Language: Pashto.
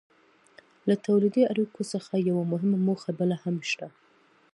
له تولیدي اړیکو څخه یوه مهمه موخه بله هم شته.